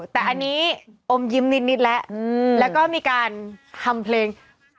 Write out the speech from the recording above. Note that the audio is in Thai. แต่อันนี้อมยิ้มนิดแล้วแล้วก็มีการทำเพลง